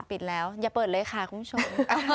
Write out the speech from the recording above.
ปิดแล้วอย่าเปิดเลยค่ะคุณผู้ชม